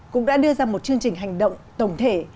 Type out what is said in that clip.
cũng đã đưa ra một chương trình hành động tổng thể